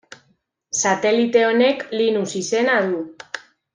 Satelite honek, Linus izena du.